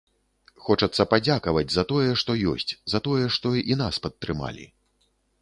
Хочацца падзякаваць за тое, што ёсць, за тое, што і нас падтрымалі.